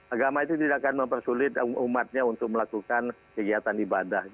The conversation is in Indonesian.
agama itu tidak akan mempersulit umatnya untuk melakukan kegiatan ibadah